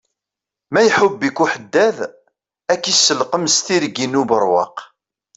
Ma iḥubb-ik uḥeddad, ak iselqem s tirgin ubeṛwaq.